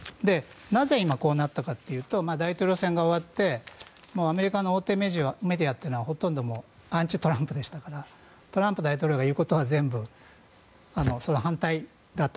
なぜ今、こうなったかというと大統領選が終わってアメリカの大手メディアはほとんどアンチトランプでしたからトランプ大統領が言うことは全部反対だと。